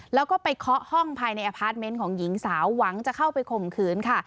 แล้วก็ไปเคาะห้องภายในอพาร์ทเมนต์ของหญิงสาวหวังจะเข้าไปข่มขืนค่ะ